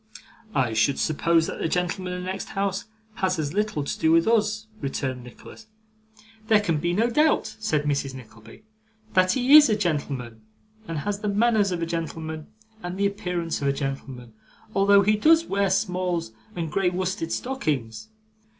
'I should suppose that the gentleman in the next house has as little to do with us,' returned Nicholas. 'There can be no doubt,' said Mrs. Nickleby, 'that he IS a gentleman, and has the manners of a gentleman, and the appearance of a gentleman, although he does wear smalls and grey worsted stockings.